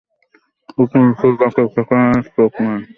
তীক্ষ্ণ দৃষ্টিতে তাকিয়ে থাকার চোখ নয়।